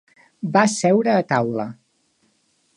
Va seure a taula.